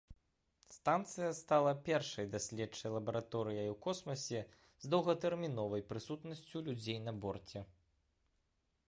Станцыя стала першай даследчай лабараторыяй у космасе з доўгатэрміновай прысутнасцю людзей на борце.